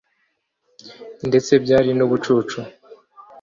ndetse byari n'ubucucu